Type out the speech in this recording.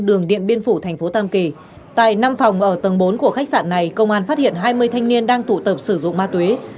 đường điện biên phủ thành phố tam kỳ tại năm phòng ở tầng bốn của khách sạn này công an phát hiện hai mươi thanh niên đang tụ tập sử dụng ma túy